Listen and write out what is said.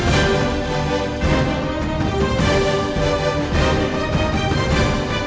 hẹn gặp lại